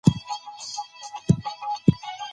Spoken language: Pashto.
هغه سړی چې کار کوي بريالی دی.